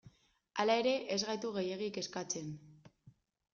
Hala ere, ez gaitu gehiegi kezkatzen.